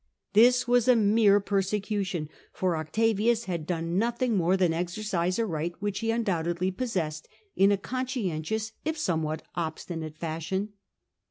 This was mere persecution, for Octavius had done nothing more than exercise a right, which he undoubtedly pos sessed, in a conscientious if somewhat obstinate fashion.